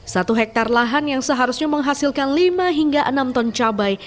satu hektare lahan yang seharusnya menghasilkan lima hingga enam ton cabai